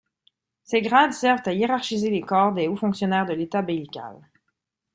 Ces grades servent à hiérarchiser le corps des hauts fonctionnaires de l'Etat beylical.